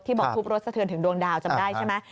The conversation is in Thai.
บอกทุบรถสะเทือนถึงดวงดาวจำได้ใช่ไหม